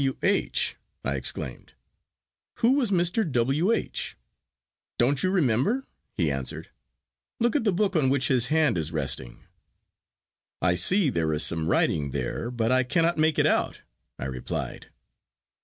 W. H.!' I exclaimed; 'who was Mr. W. H.?' 'Don't you remember?' he answered; 'look at the book on which his hand is resting.' 'I see there is some writing there, but I cannot make it out,' I replied.